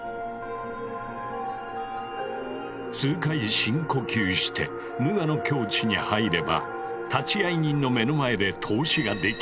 数回深呼吸して無我の境地に入れば立会人の目の前で透視ができるという。